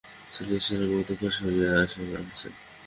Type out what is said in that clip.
ছেলের ইশারায় মোক্ষদা সরিয়া আসে কাছে।